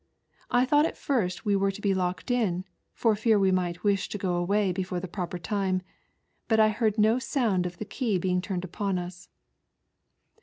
I thought at first we ' were to be locked in, for fear we might wish to go away before the proper time, but I heard no sound of the key being turned upon us.